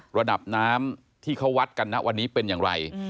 ระดับน้ำที่เขาวัดกันนะวันนี้เป็นอย่างไร